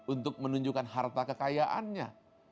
untuk menunjukkan harta kekayaannya